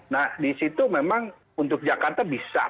nah disitu memang untuk jakarta bisa